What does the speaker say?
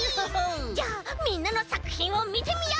じゃあみんなのさくひんをみてみよう！